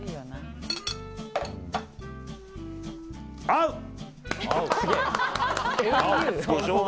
合う！